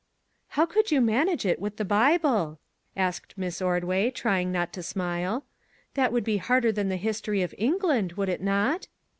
" How could you manage it with the Bible ?" asked Miss Ordway, trying not to smile. " That would be harder than the history of England, would it not